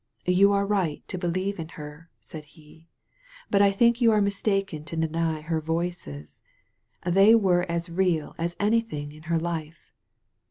"You are right to beheve in her," said he, "but I think you are mistaken to deny her * voices.* They were as real as anything in her life.